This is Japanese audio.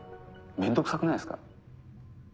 面倒くさくないですか？